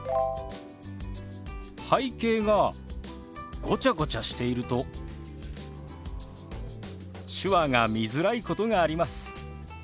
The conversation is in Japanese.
背景がごちゃごちゃしていると手話が見づらいことがあります。